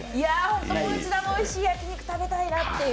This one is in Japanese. もう一度あのおいしい焼き肉食べたいなっていう。